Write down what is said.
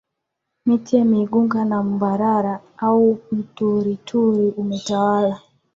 miti ya migunga na mbabara au mturituri umetawala